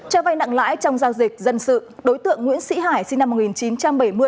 cho vay nặng lãi trong giao dịch dân sự đối tượng nguyễn sĩ hải sinh năm một nghìn chín trăm bảy mươi